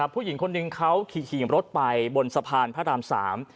ผู้หญิงคนหนึ่งเขาขี่รถไปบนสะพานพระรามสาม